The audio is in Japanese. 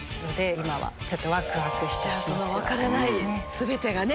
分からない全てがね